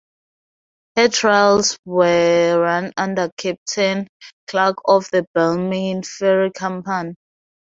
Her trials were run under Captain Clark of the Balmain Ferry Company.